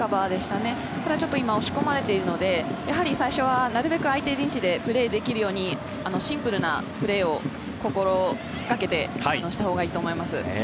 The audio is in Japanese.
ただちょっと押し込まれているので、最初はなるべく相手陣地でプレーできるようにシンプルなプレーを心がけてしたほうがいいと思います。